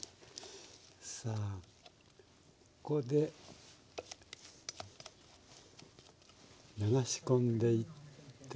さあここで流し込んでいって。